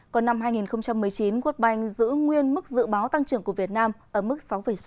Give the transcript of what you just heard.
còn năm hai nghìn một mươi chín world bank giữ nguyên mức dự báo tăng trưởng của việt nam ở mức sáu sáu